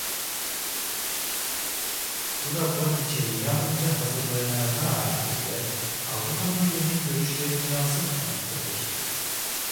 Bu raporun içeriği yalnızca hazırlayanlarına aittir ve Avrupa Birliği’nin görüşlerini yansıtmamaktadır.